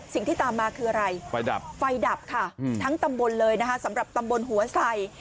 สิ่งที่ตามมาคืออะไรไฟดับไฟดับค่ะทั้งตำบลเลยนะคะสำหรับตำบลหัวไส่